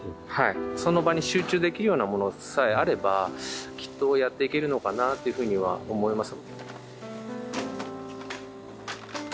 その場に集中できるようなものさえあればきっとやっていけるのかなっていうふうには思います。